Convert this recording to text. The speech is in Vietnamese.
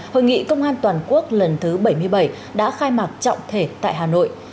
hội nghị công an toàn quốc lần thứ bảy mươi bảy đã khai mạc trọng thể tại hà nội